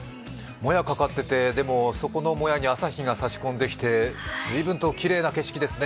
もやかかってて、そこのもやに朝日が差し込んできて随分ときれいな景色ですね